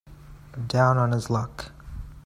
Down on his luck.